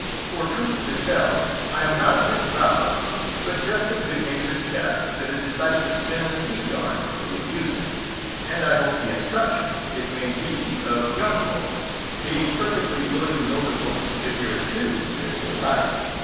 For truth to tell, I am not a bit proud, but just a good natured chap that has decided to spin a sea yarn for the amusement, and I hope the instruction, it may be, of young Folks, being perfectly willing the older Folks should hear it, too, if they like.